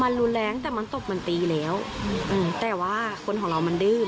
มันรุนแรงแต่มันตกมันตีแล้วแต่ว่าคนของเรามันดื้อ